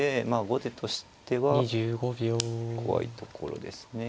後手としては怖いところですね。